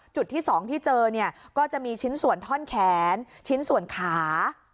จุดที่๒ที่เจอเนี่ยก็จะมีชิ้นส่วนท่อนแขนชิ้นส่วนขา